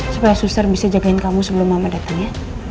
supaya suster bisa jagain kamu sebelum mama datang ya